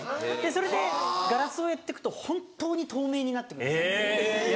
それでガラスをやってくと本当に透明になってくんです。